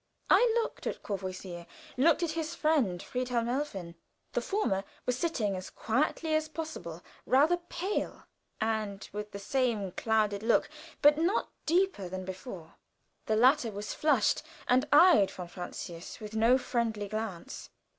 I looked at Courvoisier looked at his friend, Friedhelm Helfen. The former was sitting as quietly as possible, rather pale, and with the same clouded look, but not deeper than before; the latter was flushed, and eyed von Francius with no friendly glance.